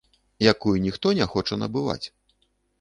Якую ніхто не хоча набываць.